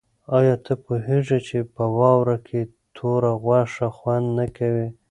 آیا ته پوهېږې چې په واوره کې توره غوښه خوند نه کوي؟